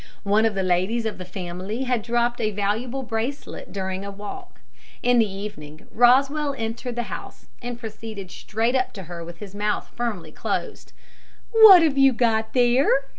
One of the ladies of the family had dropped a valuable bracelet during a walk. In the evening Rosswell entered the house and proceeded straight up to her with his mouth firmly closed. "What have you got there?"